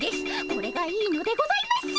これがいいのでございます！